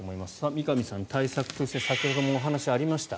三上さん、対策として先ほどもお話がありました。